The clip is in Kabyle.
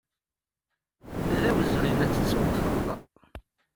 D awezɣi ad t-tewteḍ.